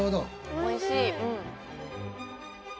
おいしい。